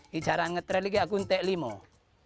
di jaran ngetre lagi aku nanti limau